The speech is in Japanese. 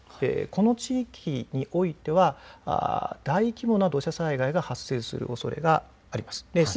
この地域においては大規模な土砂災害が発生するおそれがあります。